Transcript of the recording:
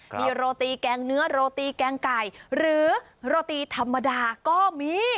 มีโรตีแกงเนื้อโรตีแกงไก่หรือโรตีธรรมดาก็มี